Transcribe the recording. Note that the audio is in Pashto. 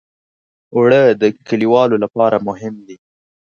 اوړه د کليوالو لپاره مهم دي